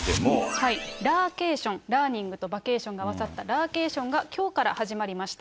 ラーケーション、ラーニングとバケーションが合わさったラーケーションがきょうから始まりました。